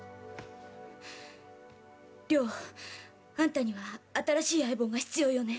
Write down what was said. リョウ、あんたには新しい相棒が必要よね。